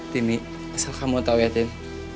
tini asal kamu tau ya tin